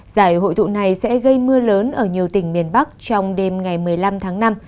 giải hội tụ này sẽ gây mưa lớn ở nhiều tỉnh miền bắc trong đêm ngày một mươi năm tháng năm